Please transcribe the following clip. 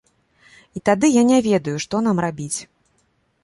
І тады я не ведаю, што нам рабіць.